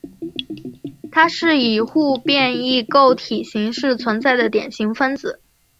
它是以互变异构体形式存在的典型分子。